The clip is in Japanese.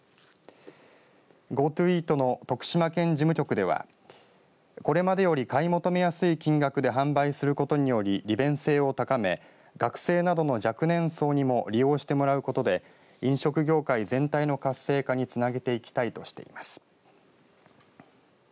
ＧｏＴｏイートの徳島県事務局ではこれまでより買い求めやすい金額で販売することにより利便性を高め学生などの若年層にも利用してもらうことで飲食業界全体の活性化につなげていきたいとしています。